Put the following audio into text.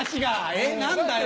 えっ何だよ。